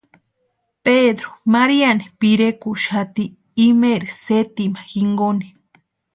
Pedru Maríani pirekuxati imaeri setima jinkoni.